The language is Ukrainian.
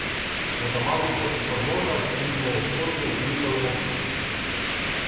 Отаманенко і Чорнота з кінною сотнею виїхали назустріч.